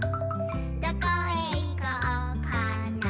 「どこへいこうかな」